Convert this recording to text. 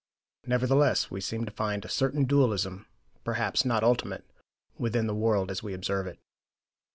Nevertheless, we seem to find a certain dualism, perhaps not ultimate, within the world as we observe it.